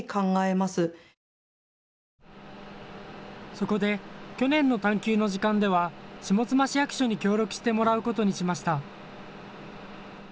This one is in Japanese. そこで去年の探究の時間では下妻市役所に協力してもらうことにしました。